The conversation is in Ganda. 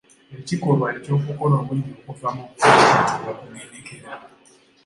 Ekikolwa eky’okukola omunnyo okuva mu vvu kiyitibwa kugenekera.